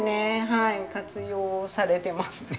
はい活用されてますね。